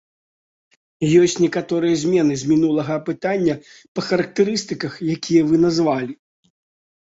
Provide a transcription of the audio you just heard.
Ёсць некаторыя змены з мінулага апытання па характарыстыках, якія вы назвалі.